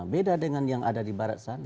beda dengan yang ada di barat sana